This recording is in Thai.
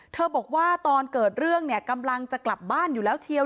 บอกว่าตอนเกิดเรื่องเนี่ยกำลังจะกลับบ้านอยู่แล้วเชียว